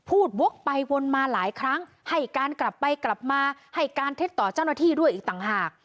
วกไปวนมาหลายครั้งให้การกลับไปกลับมาให้การเท็จต่อเจ้าหน้าที่ด้วยอีกต่างหาก